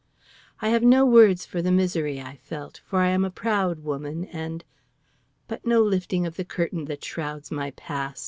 I have no words for the misery I felt, for I am a proud woman, and But no lifting of the curtain that shrouds my past.